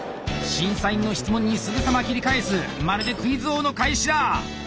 審査員の質問にすぐさま切り返すまるでクイズ王の返しだ！